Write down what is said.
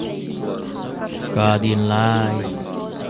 Kaa din lai.